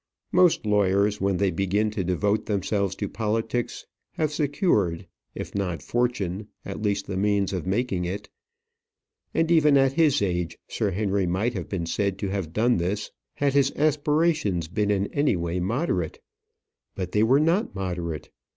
Most lawyers when they begin to devote themselves to politics have secured, if not fortune, at least the means of making it. And, even at his age, Sir Henry might have been said to have done this had his aspirations been in any way moderate. But they were not moderate.